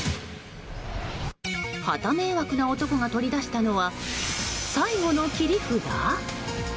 はた迷惑な男が取り出したのは最後の切り札？